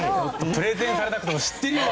プレゼンされなくても知ってるよ